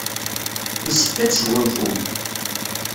Yessefk ad tesgunfum.